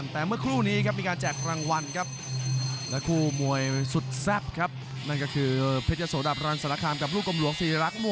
ที่นี่คือครวดพิษฎุโลก